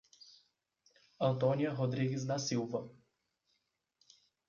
Antônia Rodrigues da Silva